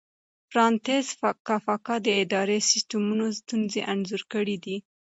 فرانتس کافکا د اداري سیسټمونو ستونزې انځور کړې دي.